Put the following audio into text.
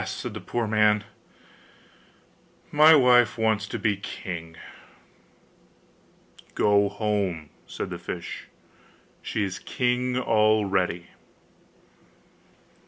said the poor man, 'my wife wants to be king.' 'Go home,' said the fish; 'she is king already.